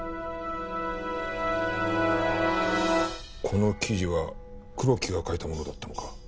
この記事は黒木が書いたものだったのか。